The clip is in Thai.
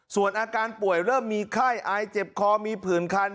ส่วนอาการป่วยเริ่มมีไข้อายเจ็บคอมีผื่นคัน